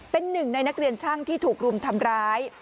เป็นหนึ่งในนักเรียนช่างที่ถูกรุมทำร้าย